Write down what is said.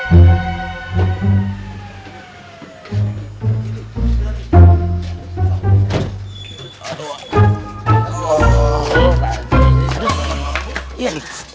pasti udah ketangkep sih sulamnya